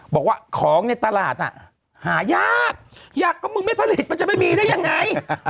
บอกว่าของในตลาดน่ะหายากอยากก็มึงไม่ผลิตมันจะไม่มีได้ยังไง